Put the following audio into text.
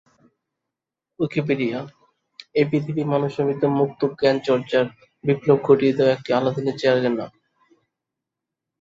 Wikipedia — এই পৃথিবীর মানুষের মধ্যে মুক্ত জ্ঞানচর্চার বিপ্লব ঘটিয়ে দেয়া একটি আলাদিনের চেরাগের নাম।